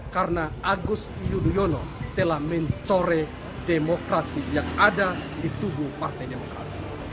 karena agus yudhoyono telah mencore demokrasi yang ada di tubuh partai demokrat